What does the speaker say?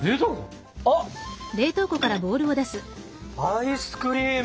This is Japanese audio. あっアイスクリーム！